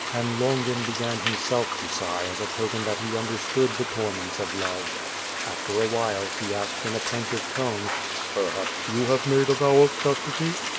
*' Pan Longin began himself to sigh as a token that he un derstood the torments of love. After a while, he asked in a plaintive tone. "Perhaps you have made a vow of chastity?"